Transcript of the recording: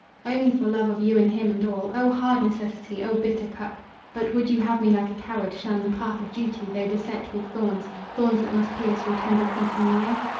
"Only for love of you and him and all! O hard necessity! O bitter cup! But would you have me like a coward shun The path of duty, though beset with thorns Thorns that must pierce your tender feet and mine?"